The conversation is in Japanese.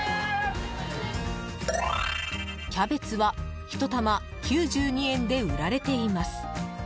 キャベツは１玉９２円で売られています。